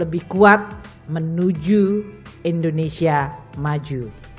buat menuju indonesia maju